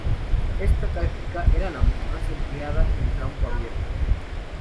Esta táctica era la más empleada en campo abierto.